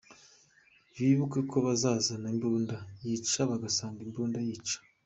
Bibuke ko bazazana imbunda yica bagasanga imbunda yica.